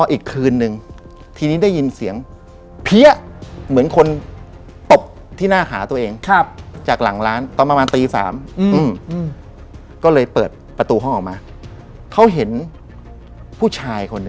อีกคืนนึงทีนี้ได้ยินเสียงเพี้ยเหมือนคนตบที่หน้าขาตัวเองจากหลังร้านตอนประมาณตี๓ก็เลยเปิดประตูห้องออกมาเขาเห็นผู้ชายคนหนึ่ง